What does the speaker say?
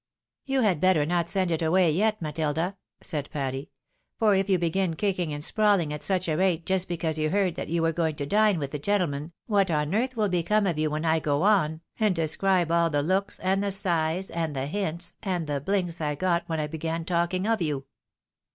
"" You had better not send it away yet, Matilda," said Patty. " For if you begin kicking and sprawHng at such a rate just because you heard that you were going to dine with the gentle man, what on earth will become of you when I go on, and des cribe all the looks, and the sighs, and the hints, and the bMnks I got when I began talking of you